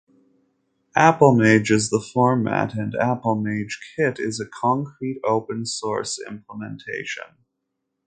AppImage is the format and "AppImageKit" is a concrete open source implementation.